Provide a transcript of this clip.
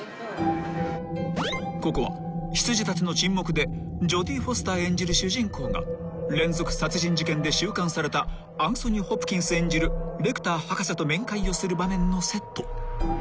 ［ここは『羊たちの沈黙』でジョディ・フォスター演じる主人公が連続殺人事件で収監されたアンソニー・ホプキンス演じるレクター博士と面会をする場面のセット］